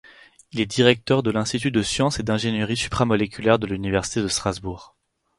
Il est directeur de l'Institut de science et d'ingénierie supramoléculaires de l'université de Strasbourg.